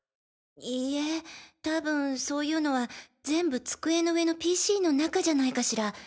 いいえ多分そういうのは全部机の上のＰＣの中じゃないかしら。